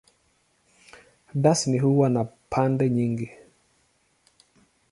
Dansi huwa na pande nyingi.